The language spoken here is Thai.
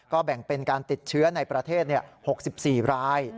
แบ่งเป็นการติดเชื้อในประเทศ๖๔ราย